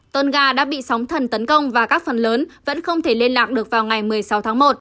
tôn ga đã bị sóng thần tấn công và các phần lớn vẫn không thể liên lạc được vào ngày một mươi sáu tháng một